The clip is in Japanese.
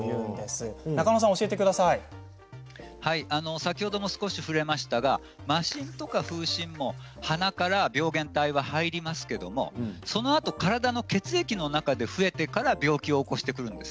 先ほども少し触れましたが麻疹とか風疹も鼻から病原体が入りますけれどそのあと体の血液の中に入ってから増えて病気を起こしてきます。